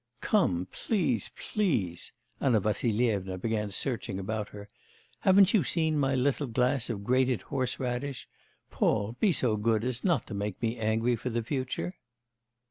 'Come, please, please!' Anna Vassilyevna began searching about her. 'Haven't you seen my little glass of grated horse radish? Paul, be so good as not to make me angry for the future.